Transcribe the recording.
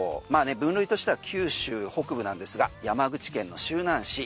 分類としては九州北部なんですが山口県の周南市。